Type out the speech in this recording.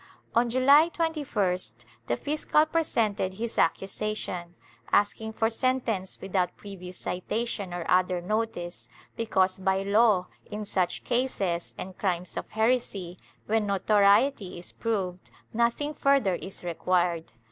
On July 21st the fiscal presented his accusation, asking for sentence with out previous citation or other notice, because by law in such cases and crimes of heresy, when notoriety is proved, nothing further is required.